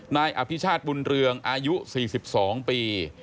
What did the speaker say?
นายอภิชาติบุญเรืองอายุ๔๒ปี